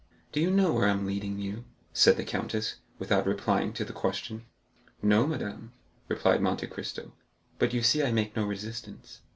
"Do you know where I am leading you?" said the countess, without replying to the question. "No, madame," replied Monte Cristo; "but you see I make no resistance."